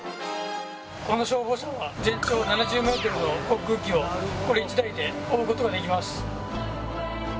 この消防車は全長７０メートルの航空機をこれ一台で覆う事ができます。